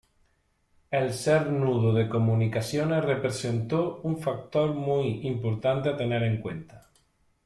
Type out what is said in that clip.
El ser nudo de comunicaciones representó un factor muy importante a tener en cuenta.